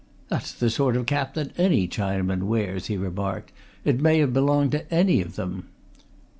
"That's the sort of cap that any Chinaman wears," he remarked. "It may have belonged to any of them."